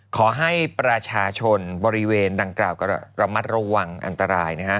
ขอให้ประชาชนบริเวณดังกล่าวก็ระมัดระวังอันตรายนะฮะ